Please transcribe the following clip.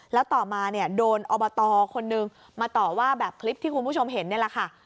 แล้วต่อมาเนี่ยโดนอบตคนนึงมาต่อว่าแบบคลิปที่คุณผู้ชมเห็นนี่แหละค่ะ